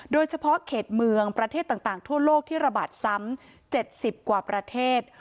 โดยเฉพาะเขตเมืองประเทศต่างทั่วโลกที่ระบาดซ้ำ๗๐กว่าประเทศ